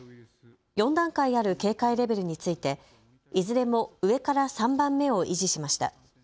４段階ある警戒レベルについていずれも上から３番目を維持しました。